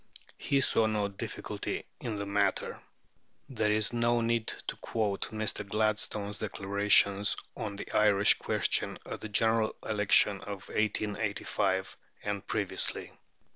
He saw no difficulty in the matter." There is no need to quote Mr. Gladstone's declarations on the Irish question at the General Election of 1885, and previously.